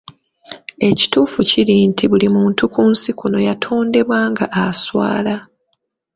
Ekituufu kiri nti buli muntu ku nsi kuno yatondebwa nga aswala.